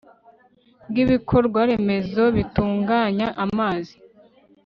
bw ibikorwaremezo bitunganya amazi